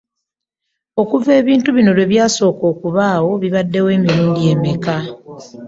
Okuva ebintu bino lwe byasooka okubaawo, bibaddewo emirundi emeka?